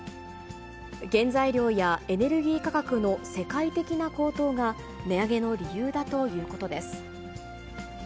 原材料やエネルギー価格の世界的な高騰が値上げの理由だということです。